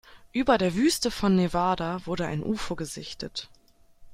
Über der Wüste von Nevada wurde ein Ufo gesichtet.